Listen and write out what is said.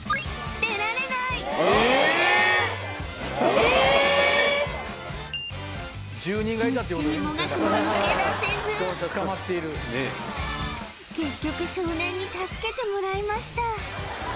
えっ必死にもがくも抜け出せず結局少年に助けてもらいました